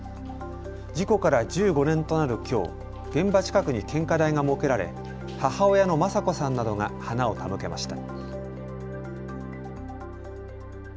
事故から１５年となるきょう、現場近くに献花台が設けられ母親の正子さんなどが花を手向けました。